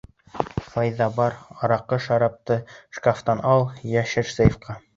Файза, бар, араҡы, шарапты шкафтан ал, йәшер сейфҡа!